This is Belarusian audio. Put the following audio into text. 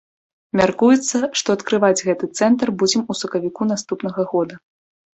Мяркуецца, што адкрываць гэты цэнтр будзем у сакавіку наступнага года.